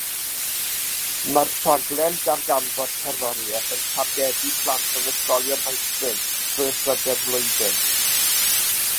Mae'r rhaglen Darganfod Cerddoriaeth yn targedu plant mewn ysgolion meithrin trwy'r drydedd flwyddyn.